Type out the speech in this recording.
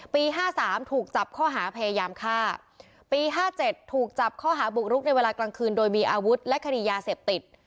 ห้าสามถูกจับข้อหาพยายามฆ่าปี๕๗ถูกจับข้อหาบุกรุกในเวลากลางคืนโดยมีอาวุธและคดียาเสพติด